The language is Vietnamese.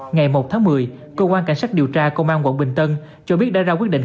ngày một tháng một mươi cơ quan cảnh sát điều tra công an quận bình tân cho biết đã ra quyết định